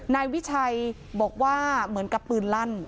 นายวิชัยบอกว่าเหมือนกับปืนลั่น